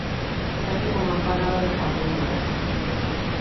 Apetéceme unha empanada de zamburiñas